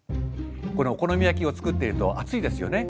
このお好み焼きを作っていると熱いですよね。